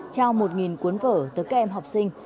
trao một cuốn vở từ các em học sinh